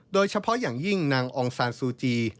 โดยเฉพาะอย่างยิ่งนางองซานซูจี